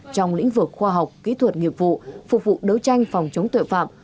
trong lĩnh vực khoa học kỹ thuật nghiệp vụ phục vụ đấu tranh phòng chống tội phạm